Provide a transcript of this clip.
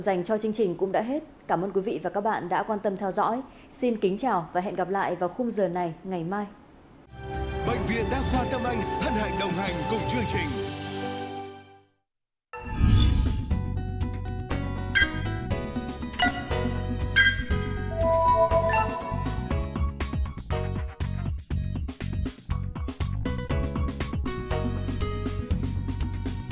bệnh viện đa khoa tâm anh hân hạnh đồng hành cùng chương trình